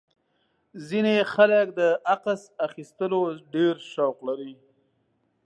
ځینې خلک د عکس اخیستلو ډېر شوق لري.